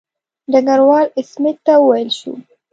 ډګروال سمیت ته وویل شو.